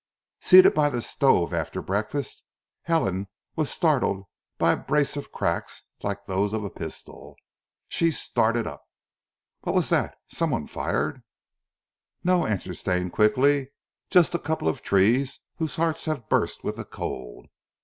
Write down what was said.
Seated by the stove after breakfast, Helen was startled by a brace of cracks like those of a pistol. She started up. "What was that? Some one fired " "No!" answered Stane quickly. "Just a couple of trees whose hearts have burst with the cold.